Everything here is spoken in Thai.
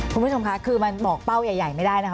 คุณผู้ชมค่ะคือมันบอกเป้าใหญ่ไม่ได้นะคะ